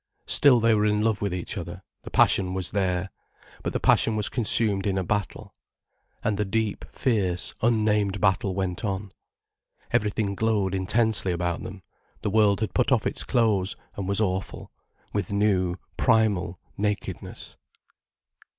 Still they were in love with each other, the passion was there. But the passion was consumed in a battle. And the deep, fierce unnamed battle went on. Everything glowed intensely about them, the world had put off its clothes and was awful, with new, primal nakedness.